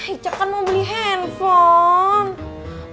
icak kan mau beli handphone